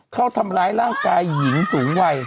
เข้าทำร้ายร่างกายหญิงสูงวัย